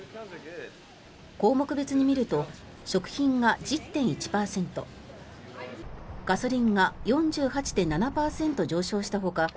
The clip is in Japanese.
項目別に見ると食品が１０．１％ガソリンが４８．７％上昇したほか